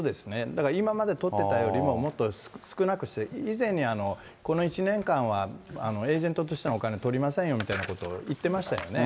だから今まで取ってたよりももっと少なくして、以前に、この１年間はエージェントとしてのお金を取りませんよみたいなことを言ってましたよね。